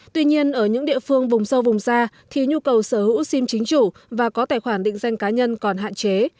tuy nhiên ở những địa phương vùng sâu vùng xa thì nhu cầu sở hữu sim chính chủ và có tài khoản định danh cá nhân còn hạn chế